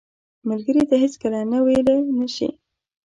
ملګری ته هیڅکله نه ویلې نه شي